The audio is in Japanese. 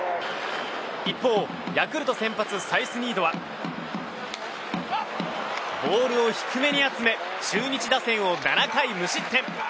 一方、ヤクルト先発サイスニードはボールを低めに集め中日打線を７回無失点。